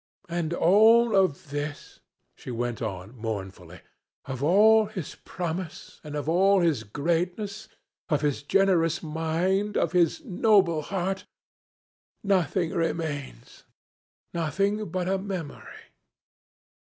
"'And of all this,' she went on, mournfully, 'of all his promise, and of all his greatness, of his generous mind, of his noble heart, nothing remains nothing but a memory.